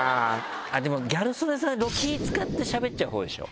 でもギャル曽根さん気使ってしゃべっちゃうほうでしょ？